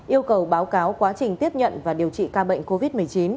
yêu cầu báo cáo quá trình tiếp nhận và điều trị ca bệnh covid một mươi chín